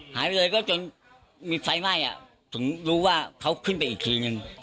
หายไปเลยก็จนมีไฟไหม้ถึงรู้ว่าเขาขึ้นไปอีกทีนึง